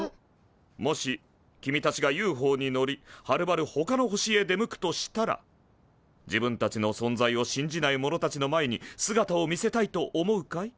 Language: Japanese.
もし君たちがＵＦＯに乗りはるばるほかの星へ出向くとしたら自分たちの存在を信じない者たちの前に姿を見せたいと思うかい？